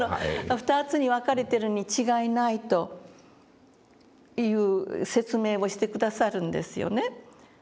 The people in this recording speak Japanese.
「２つに分かれてるに違いない」という説明をして下さるんですよね。